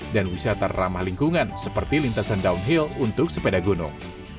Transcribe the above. dan wisata ramah lingkungan seperti lintasan downhill untuk sepeda gunung